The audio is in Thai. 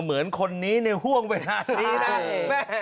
เหมือนคนนี้ในห่วงเวลานี้นะ